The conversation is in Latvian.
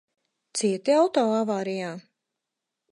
Cieti auto avārijā?